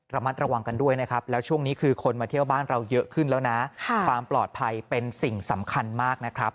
ระมัดระวังกันด้วยนะครับแล้วช่วงนี้คือคนมาเที่ยวบ้านเราเยอะขึ้นแล้วนะความปลอดภัยเป็นสิ่งสำคัญมากนะครับ